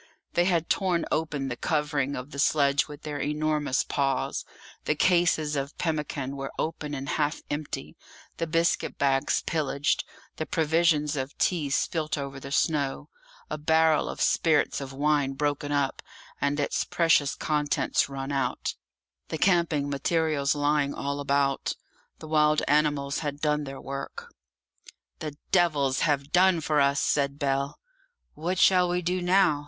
They had torn open the covering of the sledge with their enormous paws; the cases of pemmican were open, and half empty; the biscuit bags pillaged, the provisions of tea spilt over the snow, a barrel of spirits of wine broken up, and its precious contents run out; the camping materials lying all about. The wild animals had done their work. "The devils have done for us!" said Bell. "What shall we do now?"